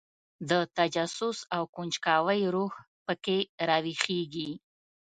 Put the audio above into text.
د تجسس او کنجکاوۍ روح په کې راویښېږي.